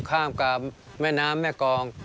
กระทรงกับแม่น้ำแม่กอง